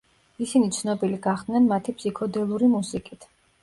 ისინი ცნობილი გახდნენ მათი ფსიქოდელური მუსიკით.